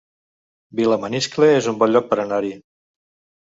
Vilamaniscle es un bon lloc per anar-hi